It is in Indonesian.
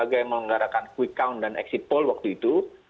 ada sepuluh lembaga yang mengelenggarakan quick count dan exit poll waktu itu